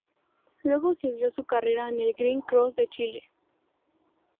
Luego siguió su carrera en el Green Cross de Chile.